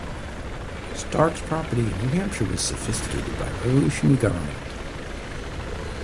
Stark's property in New Hampshire was confiscated by the revolutionary government.